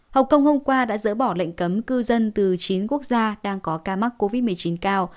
hồng kông hôm qua đã dỡ bỏ lệnh cấm cư dân từ chín quốc gia đang có ca mắc covid một mươi chín cao